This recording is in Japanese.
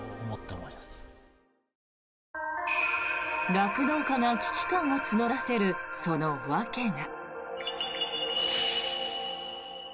酪農家が危機感を募らせるその訳が。